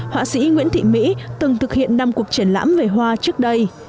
họa sĩ nguyễn thị mỹ từng thực hiện năm cuộc triển lãm về hoa trước đây